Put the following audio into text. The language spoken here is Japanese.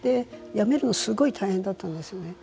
やめるのすごい大変だったんですよね。